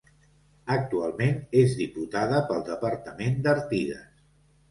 Actualment és diputada pel departament d'Artigas.